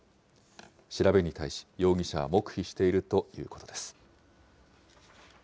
調べに対し、容疑者は黙秘しているということです。